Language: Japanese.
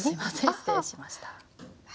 失礼しました。